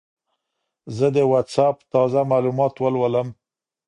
زه د وټساپ تازه معلومات ولولم.